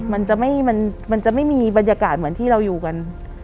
มันจะไม่มีบรรยากาศเหมือนที่เราอยู่กัน